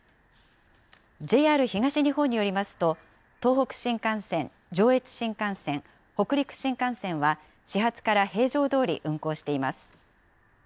ＪＲ東日本によりますと、東北新幹線、上越新幹線、北陸新幹線は、始発から平常どおり運行しています。